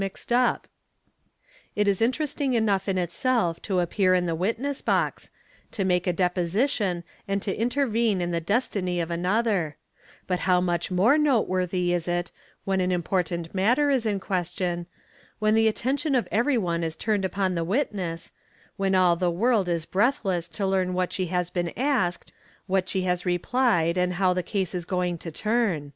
mixed up", It is interesting enough in itself to appear in the witne 5 box, to make a deposition and to intervene in the destiny of another but how much more noteworthy is it when an important matter is 1 question, when the attention of everyone is turned upon the witness when all the world is breathless to learn what she has been asked, wha she has replied, and how the case is going to turn.